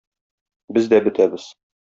без дә бетәбез!